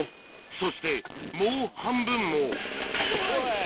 そしてもう半分もおい！